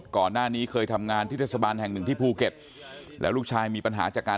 ก่อนหน้านี้เคยทำงานที่เทศบาลแห่งหนึ่งที่ภูเก็ตแล้วลูกชายมีปัญหาจากการ